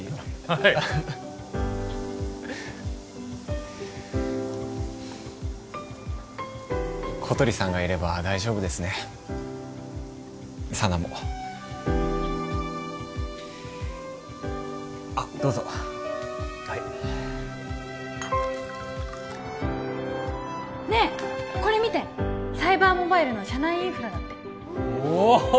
はい小鳥さんがいれば大丈夫ですね佐奈もあっどうぞはいねえこれ見てサイバーモバイルの社内インフラだっておお